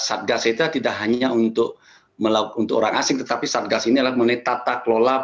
satgas itu tidak hanya untuk orang asing tetapi satgas ini adalah pemerintah yang memiliki visa turis